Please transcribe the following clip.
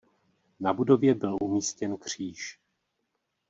Na budově byl umístěn kříž.